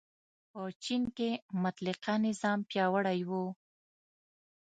په چین کې مطلقه نظام پیاوړی و.